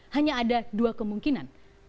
hanya ada dua kemungkinan